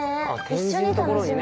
一緒に楽しめる。